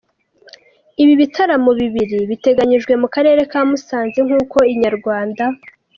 Ibi bitaramo bibiri biteganyijwe mu karere ka Musanze nkuko Inyarwanda.